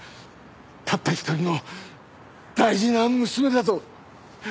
たった一人の大事な娘だぞ。